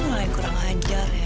nih kurang ajar ya